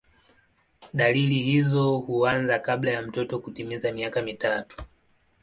Dalili hizo huanza kabla ya mtoto kutimiza miaka mitatu.